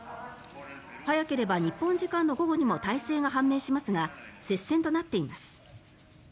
早ければ日本時間の午後にも大勢が判明しますが接戦となっています。